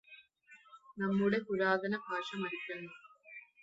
നമ്മുടെ പുരാതന ഭാഷ മരിക്കുന്നു.